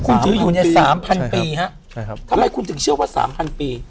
กูอยู่ใน๓๐๐๐ปีครับนี่ทำไมคุณถึงเชื่อว่า๓๐๐๐ปี